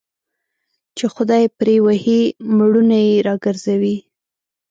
چي خداى يې پري وهي مړونه يې راگرځوي